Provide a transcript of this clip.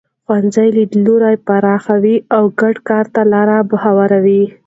ښوونځي لیدلوري پراخوي او ګډ کار ته لاره هواروي.